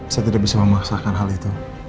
saya tidak bisa memaksakan hal itu